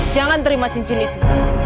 jangan terima cincin itu